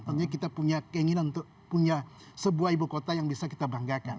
tentunya kita punya keinginan untuk punya sebuah ibu kota yang bisa kita banggakan